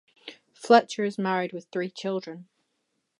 Fletcher is married with three children.